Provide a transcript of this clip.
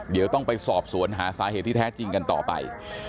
เดี๋ยวต้องไปสอบสวนหาสาเหตุที่แท้จริงกันต่อไป